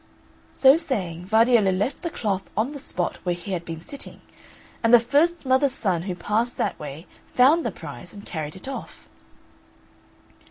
So saying Vardiello left the cloth on the spot where he had been sitting, and the first mother's son who passed that way found the prize and carried it off.